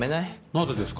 なぜですか？